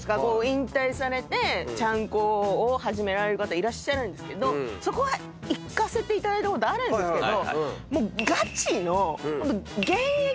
引退されてちゃんこを始められる方いらっしゃるんですけどそこは行かせていただいたことあるんですけど。